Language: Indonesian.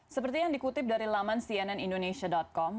seperti yang dikutip dari laman cnnindonesia com